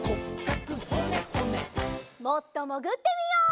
もっともぐってみよう。